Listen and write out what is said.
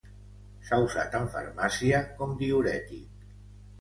S'ha usat, en farmàcia, com diürètic.